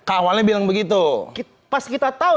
awalnya bilang begitu pas kita tahu